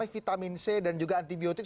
vitamin c dan juga antibiotik